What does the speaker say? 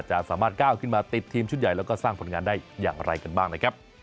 จะสามารถก้าวขึ้นมาติดทีมชุดใหญ่แล้วก็สร้างผลงานได้อย่างไรกันบ้างนะครับ